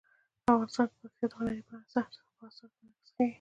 افغانستان کې پکتیا د هنر په اثار کې منعکس کېږي.